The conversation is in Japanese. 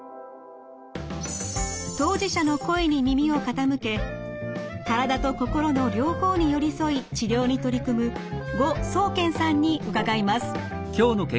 当事者の声に耳を傾け体と心の両方に寄り添い治療に取り組む呉宗憲さんに伺います。